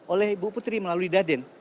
oleh ibu putri melalui daden